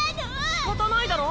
しかたないだろ。